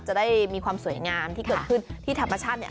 จะได้มีความสวยงามที่เกิดขึ้นที่ธรรมชาติเนี่ย